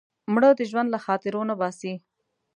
مړه د ژوند له خاطرو نه باسې